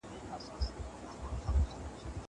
هغه څوک چي درسونه اوري پوهه زياتوي!